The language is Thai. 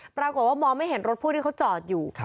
ปรากฏว่ามองไม่เห็นรถผู้ที่เขาจอดอยู่